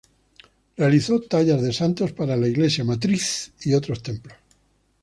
Realizó tallas de santos para la Iglesia Matriz y otros templos.